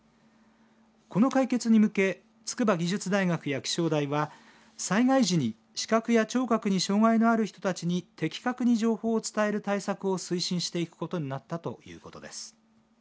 この解決に向け筑波技術大学や気象台は災害時に視覚や聴覚に障害のある人たちに的確に情報を伝える対策を推進していくことになったということです。